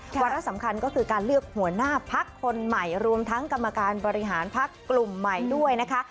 วาระสำคัญก็คือการเลือกหัวหน้าพักคนใหม่รวมทั้งกรรมการบริหารพักกลุ่มใหม่ด้วยนะคะ